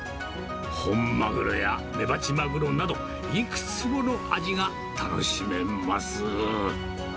本マグロやメバチマグロなど、いくつもの味が楽しめます。